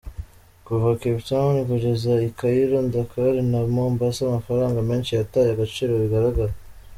Kuva Cape Town kugeza i Cairo, Dakar na Mombasa, amafaranga menshi yataye agaciro bigaragara.